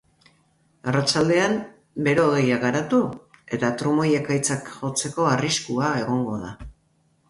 Arratsaldean bero-hodeiak garatu eta trumoi-ekaitzak jotzeko arriskua egongo da.